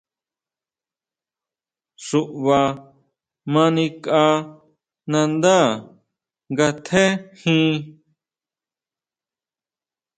Xuʼba ma nikʼa nandá nga tjéjin.